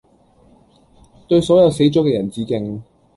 對所有死咗嘅人致敬